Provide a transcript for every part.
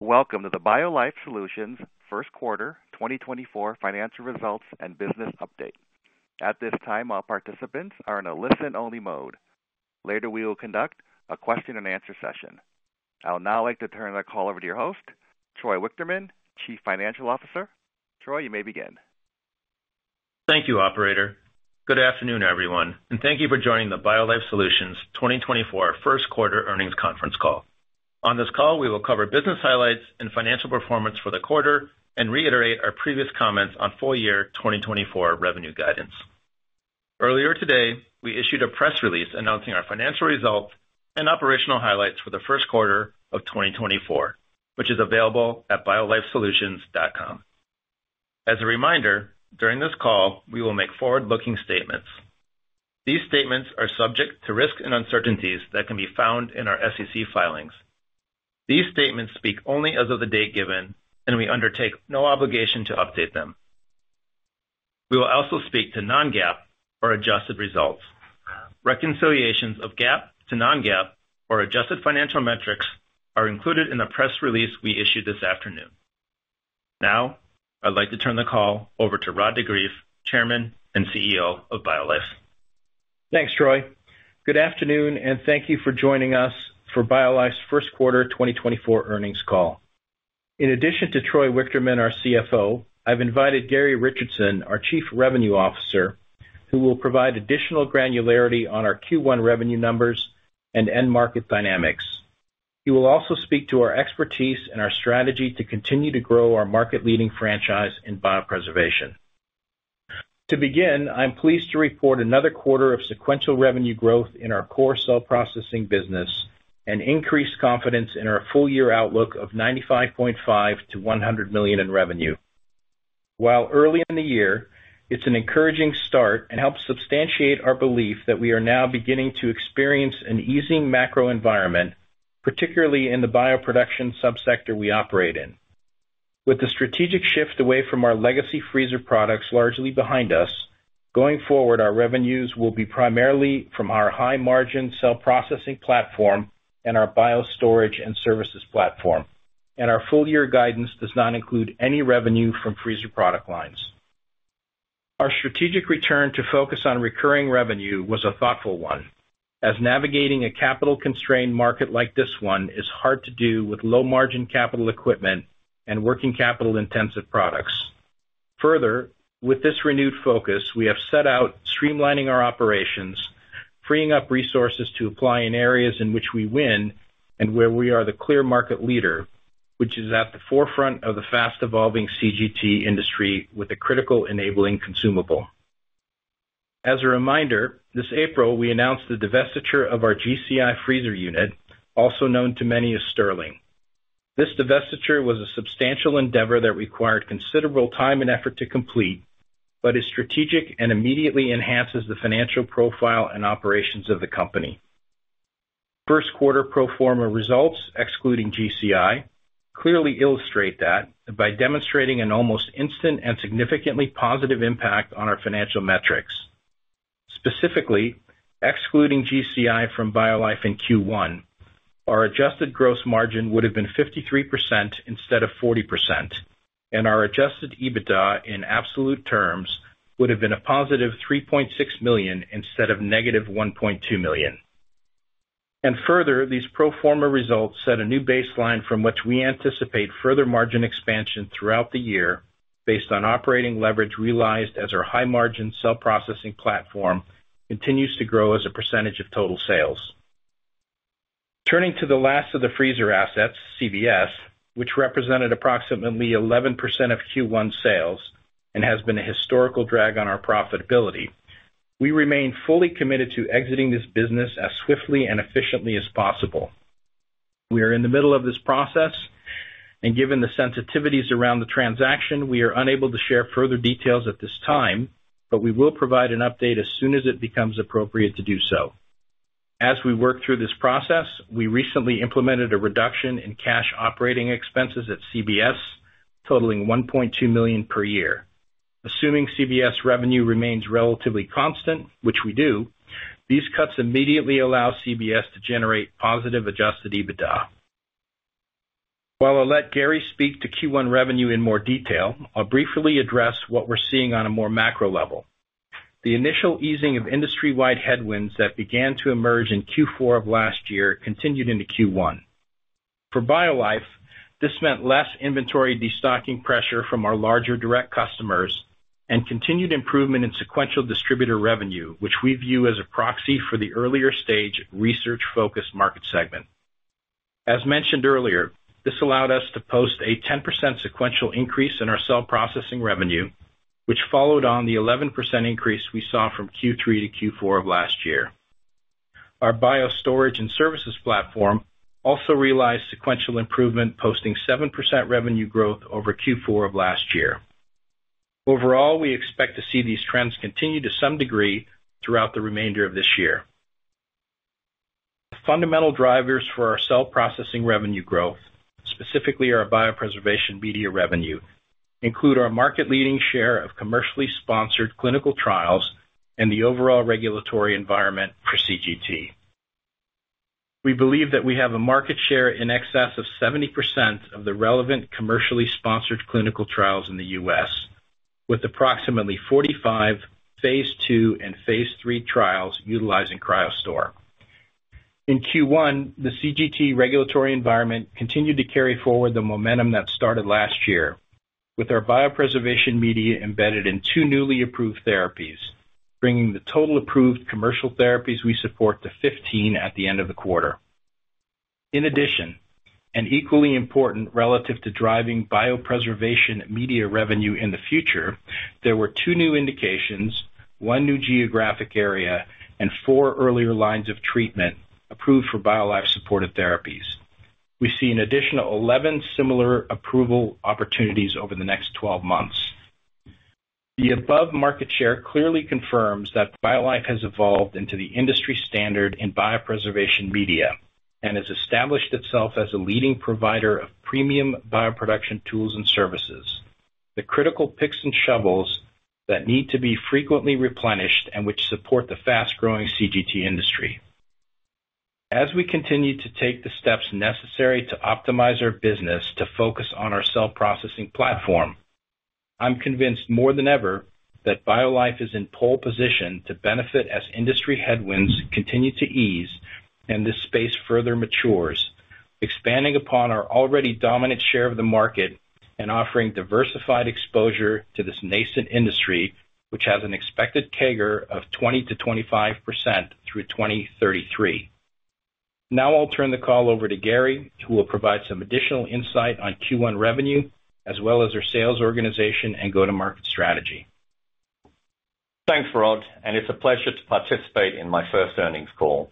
Welcome to the BioLife Solutions Q1 2024 financial results and business update. At this time, all participants are in a listen-only mode. Later, we will conduct a question-and-answer session. I would now like to turn the call over to your host, Troy Wichterman, Chief Financial Officer. Troy, you may begin. Thank you, operator. Good afternoon, everyone, and thank you for joining the BioLife Solutions 2024 Q1 earnings conference call. On this call, we will cover business highlights and financial performance for the quarter and reiterate our previous comments on full year 2024 revenue guidance. Earlier today, we issued a press release announcing our financial results and operational highlights for the Q1 of 2024, which is available at biolifesolutions.com. As a reminder, during this call, we will make forward-looking statements. These statements are subject to risks and uncertainties that can be found in our SEC filings. These statements speak only as of the date given, and we undertake no obligation to update them. We will also speak to non-GAAP or adjusted results. Reconciliations of GAAP to non-GAAP or adjusted financial metrics are included in the press release we issued this afternoon. Now, I'd like to turn the call over to Rod de Greef, Chairman and CEO of BioLife. Thanks, Troy. Good afternoon, and thank you for joining us for BioLife's Q1 2024 earnings call. In addition to Troy Wichterman, our CFO, I've invited Garrie Richardson, our Chief Revenue Officer, who will provide additional granularity on our Q1 revenue numbers and end market dynamics. He will also speak to our expertise and our strategy to continue to grow our market-leading franchise in biopreservation. To begin, I'm pleased to report another quarter of sequential revenue growth in our core Cell Processing business and increased confidence in our full year outlook of $95.5 million-$100 million in revenue. While early in the year, it's an encouraging start and helps substantiate our belief that we are now beginning to experience an easing macro environment, particularly in the bioproduction subsector we operate in. With the strategic shift away from our legacy freezer products largely behind us, going forward, our revenues will be primarily from our Cell Processing platform and our Biostorage and Services platform, and our full year guidance does not include any revenue from freezer product lines. Our strategic return to focus on recurring revenue was a thoughtful one, as navigating a capital-constrained market like this one is hard to do with low-margin capital equipment and working capital-intensive products. Further, with this renewed focus, we have set out streamlining our operations, freeing up resources to apply in areas in which we win and where we are the clear market leader, which is at the forefront of the fast evolving CGT industry with a critical enabling consumable. As a reminder, this April, we announced the divestiture of our GCI freezer unit, also known to many as Stirling. This divestiture was a substantial endeavor that required considerable time and effort to complete, but is strategic and immediately enhances the financial profile and operations of the company. Q1 pro forma results, excluding GCI, clearly illustrate that by demonstrating an almost instant and significantly positive impact on our financial metrics. Specifically, excluding GCI from BioLife in Q1, our adjusted gross margin would have been 53% instead of 40%, and our adjusted EBITDA in absolute terms would have been a positive $3.6 million instead of negative $1.2 million. Further, these pro forma results set a new baseline from which we anticipate further margin expansion throughout the year based on operating leverage realized as our high margin Cell Processing platform continues to grow as a percentage of total sales. Turning to the last of the freezer assets, CBS, which represented approximately 11% of Q1 sales and has been a historical drag on our profitability, we remain fully committed to exiting this business as swiftly and efficiently as possible. We are in the middle of this process, and given the sensitivities around the transaction, we are unable to share further details at this time, but we will provide an update as soon as it becomes appropriate to do so. As we work through this process, we recently implemented a reduction in cash operating expenses at CBS, totaling $1.2 million per year. Assuming CBS revenue remains relatively constant, which we do, these cuts immediately allow CBS to generate positive Adjusted EBITDA. While I'll let Garrie speak to Q1 revenue in more detail, I'll briefly address what we're seeing on a more macro level. The initial easing of industry-wide headwinds that began to emerge in Q4 of last year continued into Q1. For BioLife, this meant less inventory destocking pressure from our larger direct customers and continued improvement in sequential distributor revenue, which we view as a proxy for the earlier stage research focused market segment. As mentioned earlier, this allowed us to post a 10% sequential increase in our Cell Processing revenue, which followed on the 11% increase we saw from Q3 to Q4 of last year. Our Biostorage and Services platform also realized sequential improvement, posting 7% revenue growth over Q4 of last year. Overall, we expect to see these trends continue to some degree throughout the remainder of this year. The fundamental drivers for our Cell Processing revenue growth, specifically our biopreservation media revenue... include our market-leading share of commercially sponsored clinical trials and the overall regulatory environment for CGT. We believe that we have a market share in excess of 70% of the relevant commercially sponsored clinical trials in the U.S., with approximately 45 Phase II and Phase III trials utilizing CryoStor. In Q1, the CGT regulatory environment continued to carry forward the momentum that started last year, with our biopreservation media embedded in two newly approved therapies, bringing the total approved commercial therapies we support to 15 at the end of the quarter. In addition, and equally important relative to driving biopreservation media revenue in the future, there were two new indications, one new geographic area, and four earlier lines of treatment approved for BioLife supportive therapies. We see an additional 11 similar approval opportunities over the next 12 months. The above market share clearly confirms that BioLife has evolved into the industry standard in biopreservation media and has established itself as a leading provider of premium bioproduction tools and services, the critical picks and shovels that need to be frequently replenished and which support the fast-growing CGT industry. As we continue to take the steps necessary to optimize our business to focus on our Cell Processing platform, I'm convinced more than ever that BioLife is in pole position to benefit as industry headwinds continue to ease and this space further matures, expanding upon our already dominant share of the market and offering diversified exposure to this nascent industry, which has an expected CAGR of 20%-25% through 2033. Now I'll turn the call over to Garrie, who will provide some additional insight on Q1 revenue, as well as our sales organization and go-to-market strategy. Thanks, Rod, and it's a pleasure to participate in my first earnings call.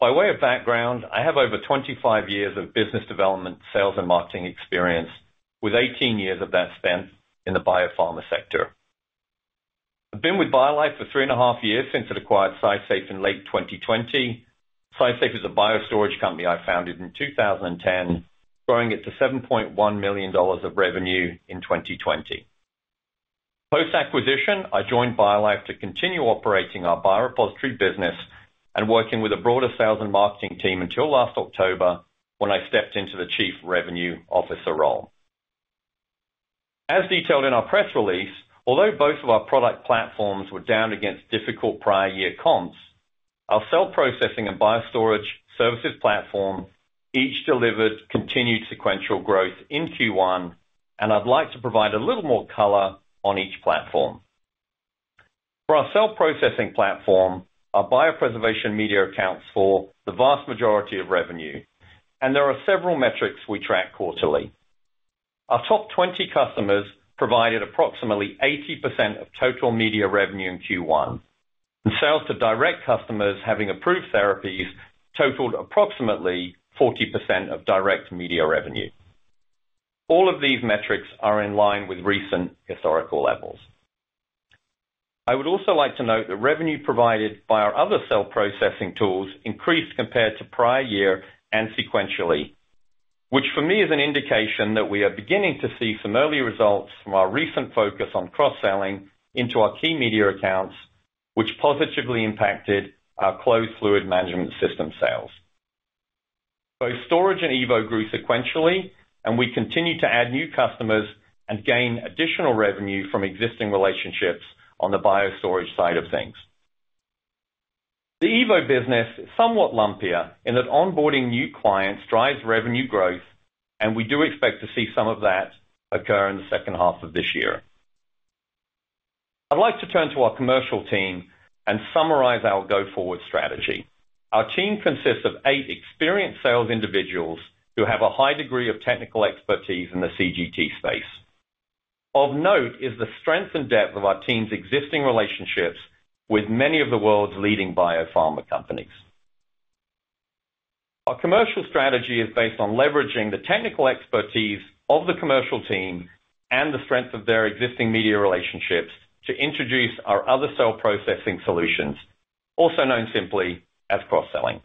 By way of background, I have over 25 years of business development, sales, and marketing experience, with 18 years of that spent in the biopharma sector. I've been with BioLife for 3.5 years, since it acquired SciSafe in late 2020. SciSafe is a biostorage company I founded in 2010, growing it to $7.1 million of revenue in 2020. Post-acquisition, I joined BioLife to continue operating our biorepository business and working with a broader sales and marketing team until last October, when I stepped into the Chief Revenue Officer role. As detailed in our press release, although both of our product platforms were down against difficult prior year comps, our Cell Processing and Biostorage Services platform each delivered continued sequential growth in Q1, and I'd like to provide a little more color on each platform. For our Cell Processing platform, our biopreservation media accounts for the vast majority of revenue, and there are several metrics we track quarterly. Our top 20 customers provided approximately 80% of total media revenue in Q1, and sales to direct customers having approved therapies totaled approximately 40% of direct media revenue. All of these metrics are in line with recent historical levels. I would also like to note that revenue provided by our other Cell Processing tools increased compared to prior year and sequentially, which for me, is an indication that we are beginning to see some early results from our recent focus on cross-selling into our key media accounts, which positively impacted our closed fluid management system sales. Both Storage and Evo grew sequentially, and we continue to add new customers and gain additional revenue from existing relationships on the biostorage side of things. The Evo business is somewhat lumpier in that onboarding new clients drives revenue growth, and we do expect to see some of that occur in the second half of this year. I'd like to turn to our commercial team and summarize our go-forward strategy. Our team consists of eight experienced sales individuals who have a high degree of technical expertise in the CGT space. Of note is the strength and depth of our team's existing relationships with many of the world's leading biopharma companies. Our commercial strategy is based on leveraging the technical expertise of the commercial team and the strength of their existing media relationships to introduce our other Cell Processing solutions, also known simply as cross-selling.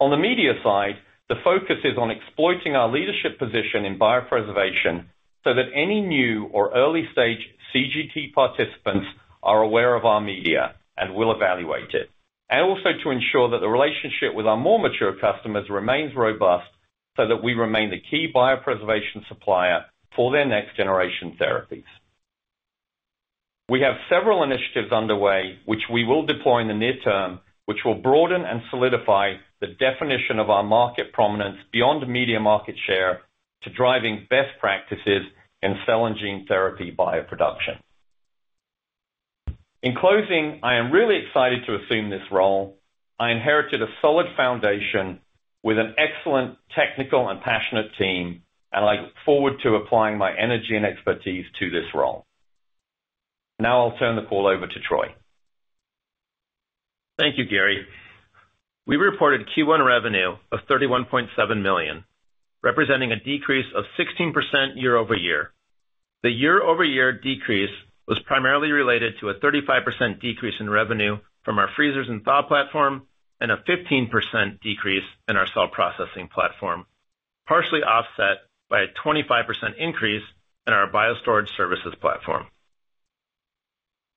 On the media side, the focus is on exploiting our leadership position in biopreservation, so that any new or early-stage CGT participants are aware of our media and will evaluate it, and also to ensure that the relationship with our more mature customers remains robust, so that we remain the key biopreservation supplier for their next-generation therapies. We have several initiatives underway, which we will deploy in the near term, which will broaden and solidify the definition of our market prominence beyond media market share to driving best practices in cell and gene therapy bioproduction. In closing, I am really excited to assume this role. I inherited a solid foundation with an excellent technical and passionate team, and I look forward to applying my energy and expertise to this role. Now I'll turn the call over to Troy. Thank you, Garrie. We reported Q1 revenue of $31.7 million, representing a decrease of 16% year-over-year. The year-over-year decrease was primarily related to a 35% decrease in revenue from our Freezers and Thaw platform, and a 15% decrease in our Cell Processing platform, partially offset by a 25% increase in our Biostorage Services platform.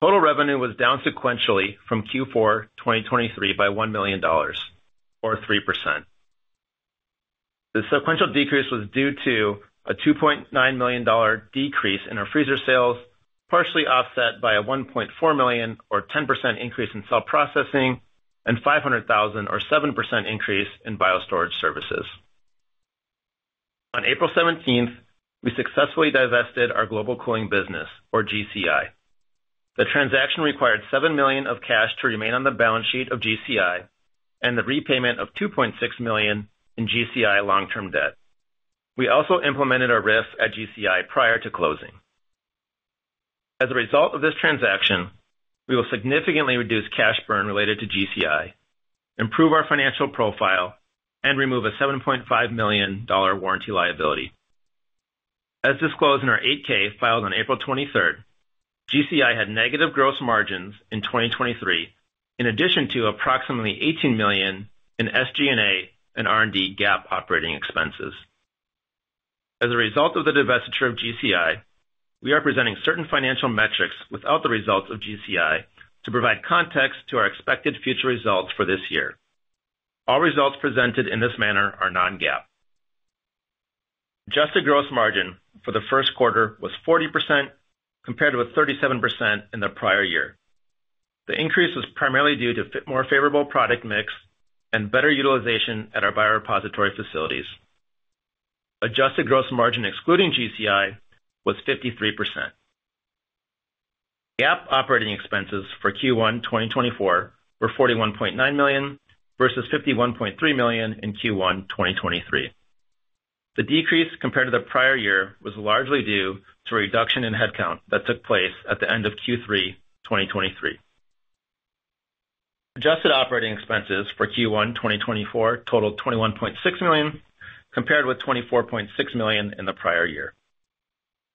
Total revenue was down sequentially from Q4 2023 by $1 million or 3%. The sequential decrease was due to a $2.9 million decrease in our freezer sales, partially offset by a $1.4 million or 10% increase in Cell Processing and $500,000 or 7% increase in Biostorage Services. On April 17, we successfully divested our Global Cooling business, or GCI. The transaction required $7 million of cash to remain on the balance sheet of GCI and the repayment of $2.6 million in GCI long-term debt. We also implemented a RIF at GCI prior to closing. As a result of this transaction, we will significantly reduce cash burn related to GCI, improve our financial profile, and remove a $7.5 million warranty liability. As disclosed in our 8-K, filed on April 23, GCI had negative gross margins in 2023, in addition to approximately $18 million in SG&A and R&D GAAP operating expenses. As a result of the divestiture of GCI, we are presenting certain financial metrics without the results of GCI to provide context to our expected future results for this year. All results presented in this manner are non-GAAP. Adjusted gross margin for the Q1 was 40%, compared with 37% in the prior year. The increase was primarily due to more favorable product mix and better utilization at our biorepository facilities. Adjusted gross margin, excluding GCI, was 53%. GAAP operating expenses for Q1 2024 were $41.9 million versus $51.3 million in Q1 2023. The decrease compared to the prior year was largely due to a reduction in headcount that took place at the end of Q3 2023. Adjusted operating expenses for Q1 2024 totaled $21.6 million, compared with $24.6 million in the prior year.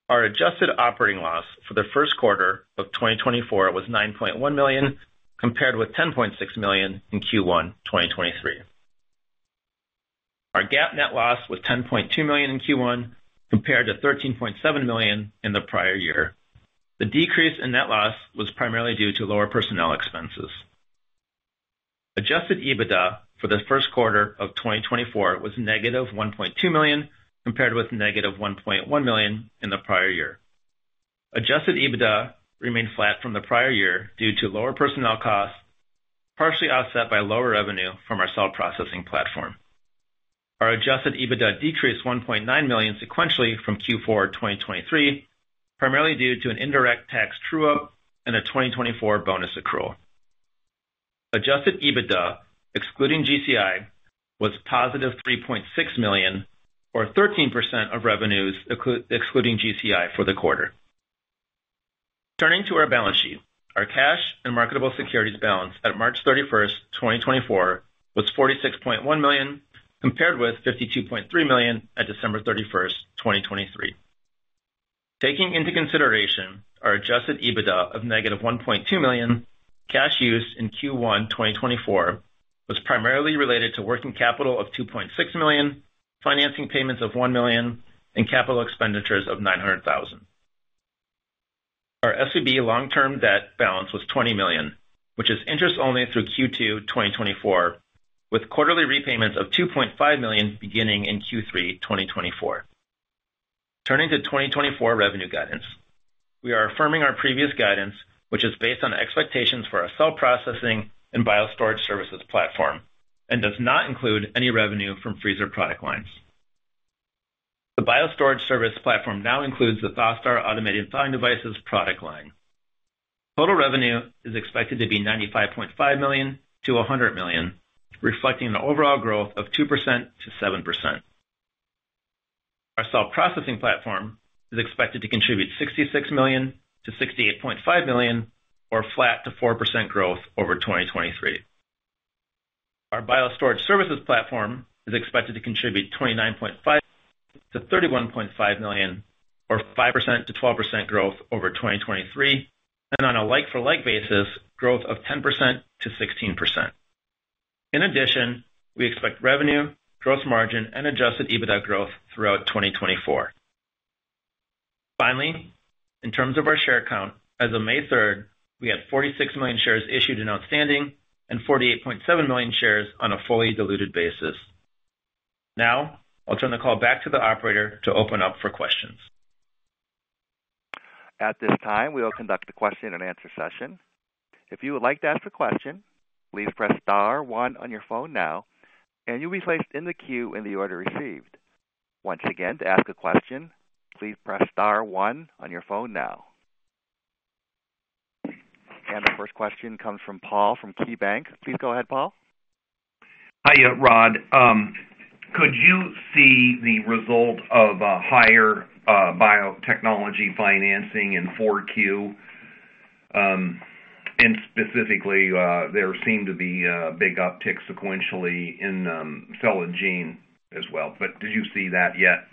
Our adjusted operating loss for the Q1 of 2024 was $9.1 million, compared with $10.6 million in Q1 2023. Our GAAP net loss was $10.2 million in Q1, compared to $13.7 million in the prior year. The decrease in net loss was primarily due to lower personnel expenses. Adjusted EBITDA for the Q1 of 2024 was negative $1.2 million, compared with negative $1.1 million in the prior year. Adjusted EBITDA remained flat from the prior year due to lower personnel costs, partially offset by lower revenue from our Cell Processing platform. Our adjusted EBITDA decreased $1.9 million sequentially from Q4 2023, primarily due to an indirect tax true-up and a 2024 bonus accrual. Adjusted EBITDA, excluding GCI, was positive $3.6 million or 13% of revenues, excluding GCI for the quarter. Turning to our balance sheet. Our cash and marketable securities balance at March 31, 2024, was $46.1 million, compared with $52.3 million at December 31, 2023. Taking into consideration our adjusted EBITDA of -$1.2 million, cash used in Q1 2024 was primarily related to working capital of $2.6 million, financing payments of $1 million, and capital expenditures of $900,000. Our SVB long-term debt balance was $20 million, which is interest only through Q2 2024, with quarterly repayments of $2.5 million beginning in Q3 2024. Turning to 2024 revenue guidance. We are affirming our previous guidance, which is based on expectations for our Cell Processing and Biostorage Services platform, and does not include any revenue from freezer product lines. The Biostorage service platform now includes the ThawSTAR automated thawing devices product line. Total revenue is expected to be $95.5 million-$100 million, reflecting an overall growth of 2%-7%. Our Cell Processing platform is expected to contribute $66 million-$68.5 million, or flat to 4% growth over 2023. Our Biostorage Services platform is expected to contribute $29.5 million-$31.5 million, or 5%-12% growth over 2023, and on a like-for-like basis, growth of 10%-16%. In addition, we expect revenue, gross margin, and Adjusted EBITDA growth throughout 2024. Finally, in terms of our share count, as of May 3rd, we had 46 million shares issued and outstanding, and 48.7 million shares on a fully diluted basis. Now, I'll turn the call back to the operator to open up for questions. At this time, we will conduct a question-and-answer session. If you would like to ask a question, please press star one on your phone now, and you'll be placed in the queue in the order received. Once again, to ask a question, please press star one on your phone now. The first question comes from Paul from KeyBanc. Please go ahead, Paul. Hi, Rod. Could you see the result of a higher biotechnology financing in 4Q? And specifically, there seemed to be a big uptick sequentially in cell and gene as well, but do you see that yet?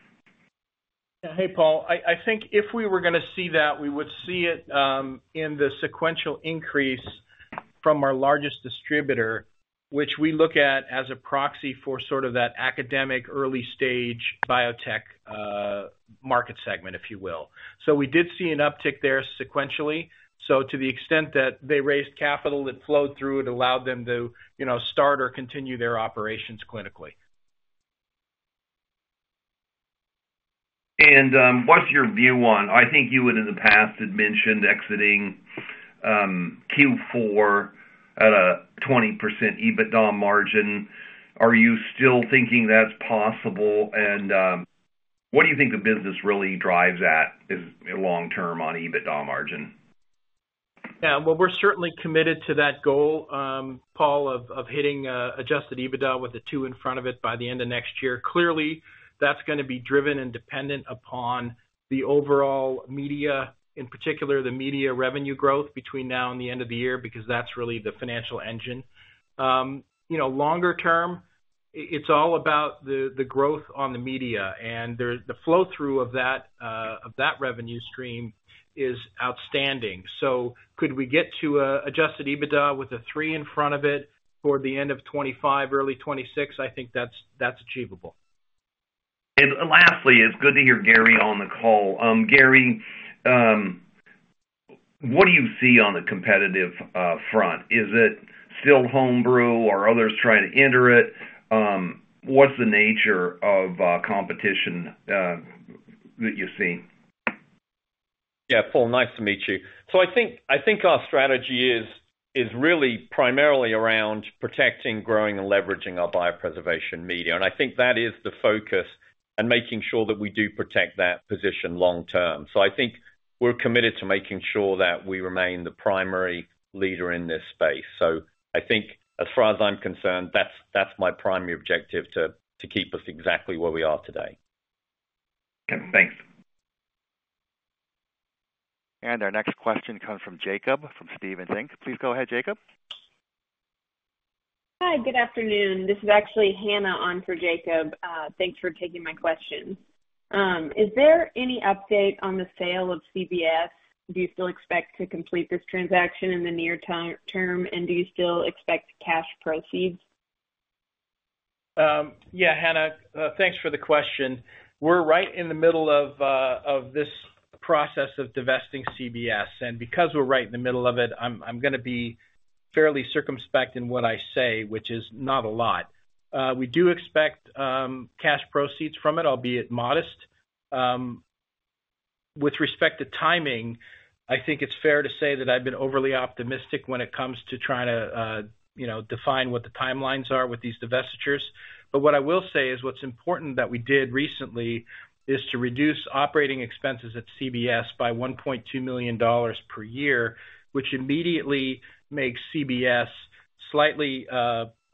Hey, Paul, I think if we were gonna see that, we would see it in the sequential increase-from our largest distributor, which we look at as a proxy for sort of that academic, early stage biotech, market segment, if you will. So we did see an uptick there sequentially. So to the extent that they raised capital, that flowed through, it allowed them to, you know, start or continue their operations clinically. What's your view on, I think you had in the past had mentioned exiting Q4 at a 20% EBITDA margin. Are you still thinking that's possible? What do you think the business really drives at is, long term on EBITDA margin? Yeah, well, we're certainly committed to that goal, Paul, of hitting Adjusted EBITDA with a 2 in front of it by the end of next year. Clearly, that's gonna be driven and dependent upon the overall media, in particular, the media revenue growth between now and the end of the year, because that's really the financial engine. You know, longer term, it's all about the growth on the media, and the flow-through of that revenue stream is outstanding. So could we get to a Adjusted EBITDA with a 3 in front of it toward the end of 2025, early 2026? I think that's achievable. Lastly, it's good to hear Garrie on the call. Garrie, what do you see on the competitive front? Is it still home brew or others trying to enter it? What's the nature of competition that you're seeing? Yeah, Paul, nice to meet you. So I think our strategy is really primarily around protecting, growing, and leveraging our biopreservation media. And I think that is the focus and making sure that we do protect that position long term. So I think we're committed to making sure that we remain the primary leader in this space. So I think as far as I'm concerned, that's my primary objective, to keep us exactly where we are today. Okay, thanks. Our next question comes from Jacob, from Stephens Inc. Please go ahead, Jacob. Hi, good afternoon. This is actually Hannah on for Jacob. Thanks for taking my questions. Is there any update on the sale of CBS? Do you still expect to complete this transaction in the near term, and do you still expect cash proceeds? Yeah, Hannah, thanks for the question. We're right in the middle of this process of divesting CBS, and because we're right in the middle of it, I'm gonna be fairly circumspect in what I say, which is not a lot. We do expect cash proceeds from it, albeit modest. With respect to timing, I think it's fair to say that I've been overly optimistic when it comes to trying to you know define what the timelines are with these divestitures. But what I will say is what's important that we did recently is to reduce operating expenses at CBS by $1.2 million per year, which immediately makes CBS slightly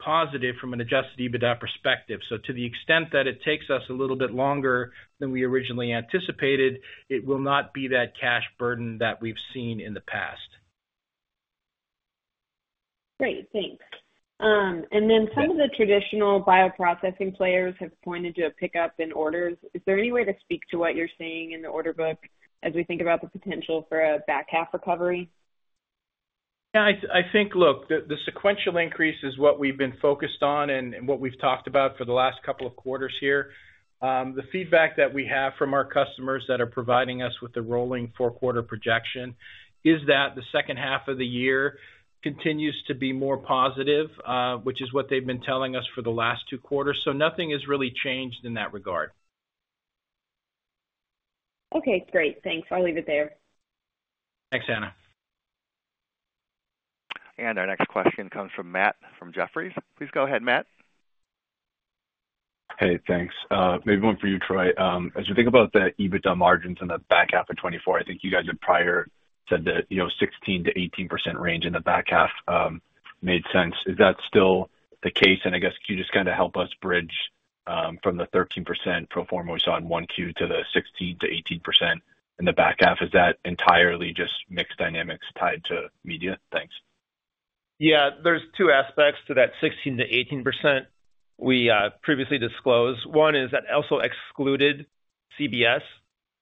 positive from an adjusted EBITDA perspective. To the extent that it takes us a little bit longer than we originally anticipated, it will not be that cash burden that we've seen in the past. Great, thanks. And then some of the traditional bioprocessing players have pointed to a pickup in orders. Is there any way to speak to what you're seeing in the order book as we think about the potential for a back half recovery? Yeah, I think, look, the sequential increase is what we've been focused on and what we've talked about for the last couple of quarters here. The feedback that we have from our customers that are providing us with the rolling four-quarter projection is that the second half of the year continues to be more positive, which is what they've been telling us for the last two quarters. So nothing has really changed in that regard. Okay, great. Thanks. I'll leave it there. Thanks, Hannah. Our next question comes from Matt, from Jefferies. Please go ahead, Matt. Hey, thanks. Maybe one for you, Troy. As you think about the EBITDA margins in the back half of 2024, I think you guys had prior said that, you know, 16%-18% range in the back half made sense. Is that still the case? And I guess, can you just kinda help us bridge from the 13% pro forma we saw in 1Q to the 16%-18% in the back half? Is that entirely just mixed dynamics tied to media? Thanks. Yeah. There's two aspects to that 16%-18% we previously disclosed. One is that also excluded CBS.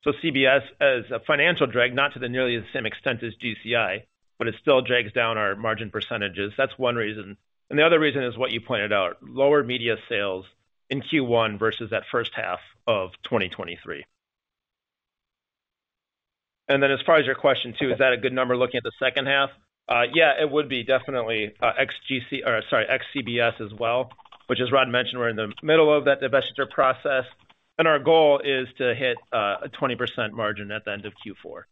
So CBS is a financial drag, not to nearly the same extent as GCI, but it still drags down our margin percentages. That's one reason. And the other reason is what you pointed out, lower media sales in Q1 versus that first half of 2023. And then as far as your question, too, is that a good number looking at the second half? Yeah, it would be definitely ex-GCI or sorry, ex-CBS as well, which as Rod mentioned, we're in the middle of that divestiture process, and our goal is to hit a 20% margin at the end of Q4.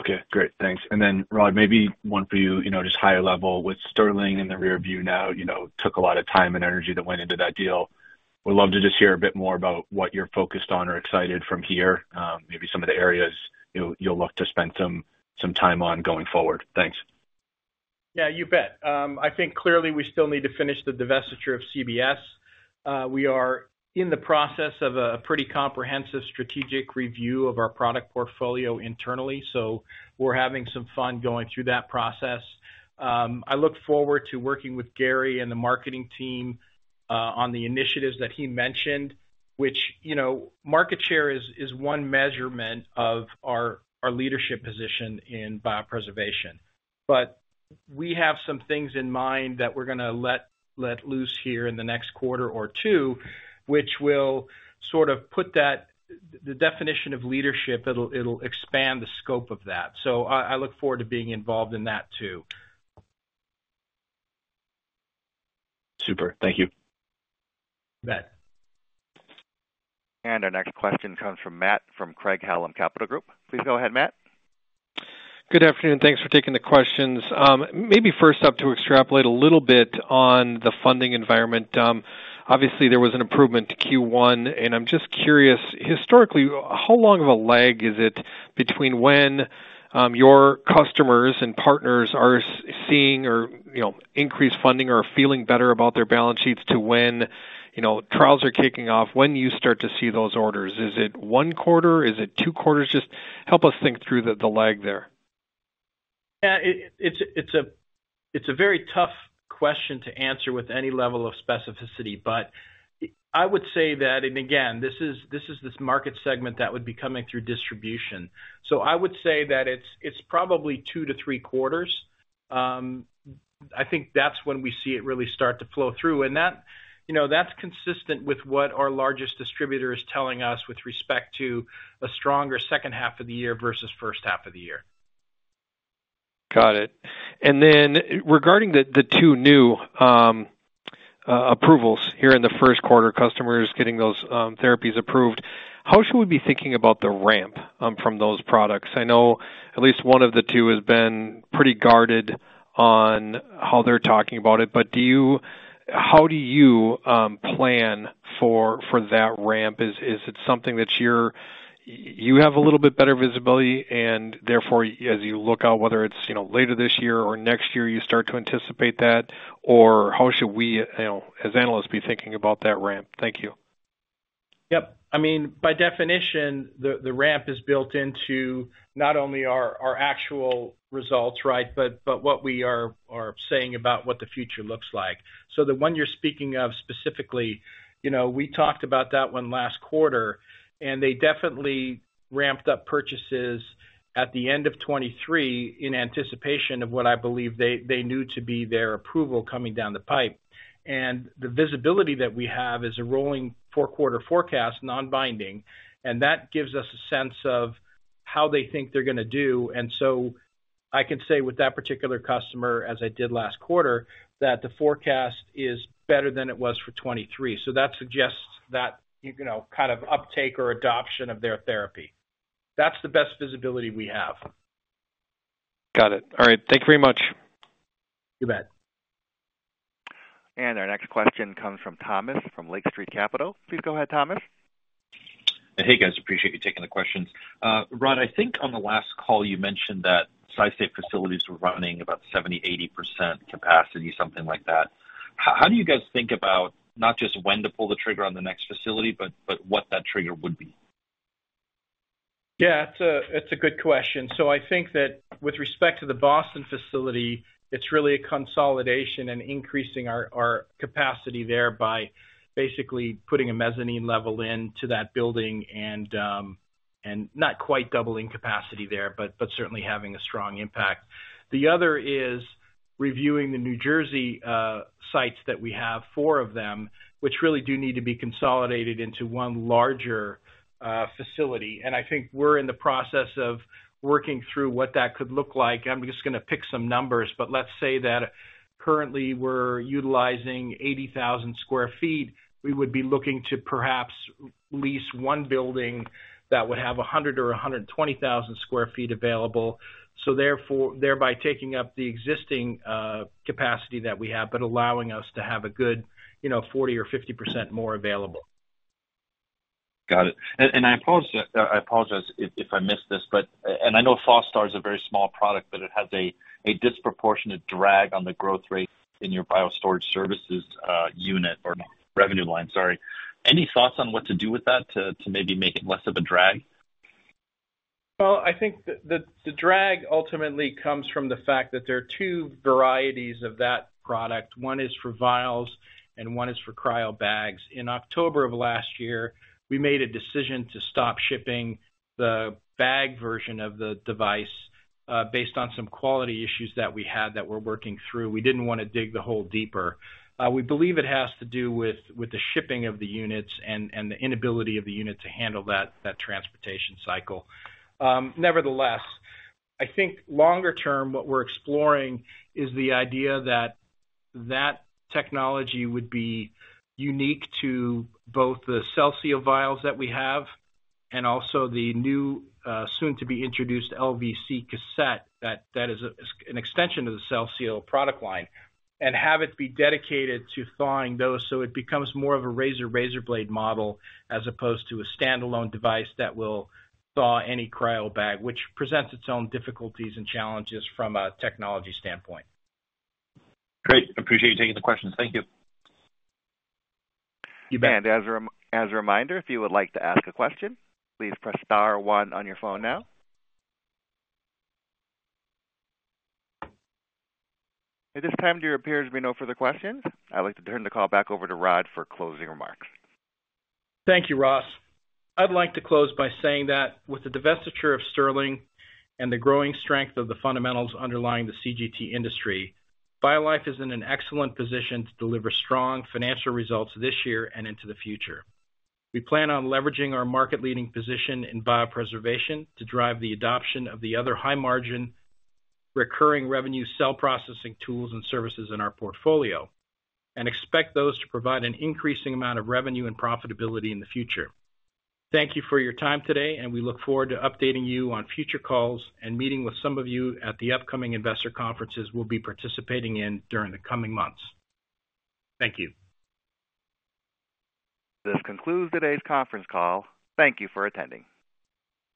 Okay, great. Thanks. And then, Rod, maybe one for you. You know, just higher level with Stirling in the rearview now, you know, took a lot of time and energy that went into that deal. Would love to just hear a bit more about what you're focused on or excited from here, maybe some of the areas you'll look to spend some time on going forward. Thanks. Yeah, you bet. I think clearly we still need to finish the divestiture of CBS. We are in the process of a pretty comprehensive strategic review of our product portfolio internally, so we're having some fun going through that process. I look forward to working with Garrie and the marketing team on the initiatives that he mentioned, which, you know, market share is one measurement of our leadership position in biopreservation. But we have some things in mind that we're gonna let loose here in the next quarter or two, which will sort of put that, the definition of leadership, it'll expand the scope of that. So I look forward to being involved in that, too. Super. Thank you. Matt. Our next question comes from Matt, from Craig-Hallum Capital Group. Please go ahead, Matt. Good afternoon, thanks for taking the questions. Maybe first up, to extrapolate a little bit on the funding environment, obviously there was an improvement to Q1, and I'm just curious, historically, how long of a lag is it between when, your customers and partners are seeing or, you know, increased funding or feeling better about their balance sheets to when, you know, trials are kicking off, when you start to see those orders? Is it one quarter? Is it two quarters? Just help us think through the lag there. It's a very tough question to answer with any level of specificity, but I would say that, and again, this is this market segment that would be coming through distribution. So I would say that it's probably two to three quarters. I think that's when we see it really start to flow through, and that, you know, that's consistent with what our largest distributor is telling us with respect to a stronger second half of the year versus first half of the year. Got it. And then regarding the two new approvals here in the Q1, customers getting those therapies approved, how should we be thinking about the ramp from those products? I know at least one of the two has been pretty guarded on how they're talking about it, but do you-how do you plan for that ramp? Is it something that you have a little bit better visibility and therefore, as you look out, whether it's, you know, later this year or next year, you start to anticipate that? Or how should we, you know, as analysts, be thinking about that ramp? Thank you. Yep. I mean, by definition, the ramp is built into not only our actual results, right? But what we are saying about what the future looks like. So the one you're speaking of specifically, you know, we talked about that one last quarter, and they definitely ramped up purchases at the end of 2023 in anticipation of what I believe they knew to be their approval coming down the pipe. And the visibility that we have is a rolling four-quarter forecast, non-binding, and that gives us a sense of how they think they're gonna do. And so I can say with that particular customer, as I did last quarter, that the forecast is better than it was for 2023. So that suggests that, you know, kind of uptake or adoption of their therapy. That's the best visibility we have. Got it. All right. Thank you very much. You bet. Our next question comes from Thomas, from Lake Street Capital. Please go ahead, Thomas. Hey, guys, appreciate you taking the questions. Rod, I think on the last call, you mentioned that SciSafe facilities were running about 70%-80% capacity, something like that. How do you guys think about not just when to pull the trigger on the next facility, but what that trigger would be? Yeah, it's a good question. So I think that with respect to the Boston facility, it's really a consolidation and increasing our capacity there by basically putting a mezzanine level into that building and not quite doubling capacity there, but certainly having a strong impact. The other is reviewing the New Jersey sites that we have, four of them, which really do need to be consolidated into one larger facility. I think we're in the process of working through what that could look like. I'm just gonna pick some numbers, but let's say that currently we're utilizing 80,000 sq ft. We would be looking to perhaps lease one building that would have 100 or 120,000 sq ft available, so therefore, thereby taking up the existing capacity that we have, but allowing us to have a good, you know, 40% or 50% more available. Got it. I apologize if I missed this, but I know ThawSTAR is a very small product, but it has a disproportionate drag on the growth rate in your Biostorage Services unit or revenue line, sorry. Any thoughts on what to do with that to maybe make it less of a drag? Well, I think the drag ultimately comes from the fact that there are two varieties of that product. One is for vials and one is for cryobags. In October of last year, we made a decision to stop shipping the bag version of the device, based on some quality issues that we had that we're working through. We didn't want to dig the hole deeper. We believe it has to do with the shipping of the units and the inability of the unit to handle that transportation cycle. Nevertheless, I think longer term, what we're exploring is the idea that that technology would be unique to both the CellSeal vials that we have and also the new soon-to-be-introduced LVC cassette, that that is an extension to the CellSeal product line, and have it be dedicated to thawing those so it becomes more of a razor-razor blade model as opposed to a standalone device that will thaw any cryobag, which presents its own difficulties and challenges from a technology standpoint. Great. Appreciate you taking the question. Thank you. You bet. As a reminder, if you would like to ask a question, please press star one on your phone now. At this time, there appears to be no further questions. I'd like to turn the call back over to Rod for closing remarks. Thank you, Ross. I'd like to close by saying that with the divestiture of Stirling and the growing strength of the fundamentals underlying the CGT industry, BioLife is in an excellent position to deliver strong financial results this year and into the future. We plan on leveraging our market-leading position in biopreservation to drive the adoption of the other high-margin, recurring revenue Cell Processing tools and services in our portfolio, and expect those to provide an increasing amount of revenue and profitability in the future. Thank you for your time today, and we look forward to updating you on future calls and meeting with some of you at the upcoming investor conferences we'll be participating in during the coming months. Thank you. This concludes today's conference call. Thank you for attending.